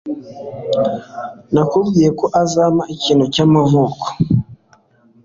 Nakubwiye ko azampa ikintu cyamavuko.